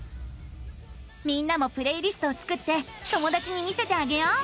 みんなもプレイリストを作って友だちに見せてあげよう。